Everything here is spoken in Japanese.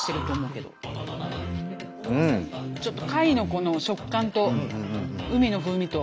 ちょっと貝のこの食感と海の風味と。